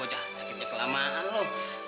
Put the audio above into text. ocean sakitnya kelamaan mu